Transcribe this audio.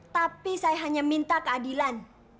tapi saya hanya minta keadilan